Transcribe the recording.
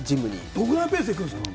どのくらいのペースで行くんですか？